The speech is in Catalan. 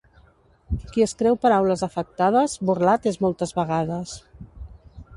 Qui es creu paraules afectades, burlat és moltes vegades.